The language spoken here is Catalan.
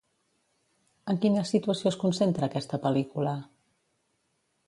En quina situació es concentra aquesta pel·lícula?